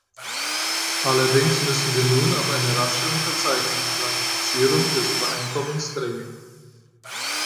Allerdings müssen wir nun auf eine rasche Unterzeichnung und Ratifizierung des Übereinkommens drängen.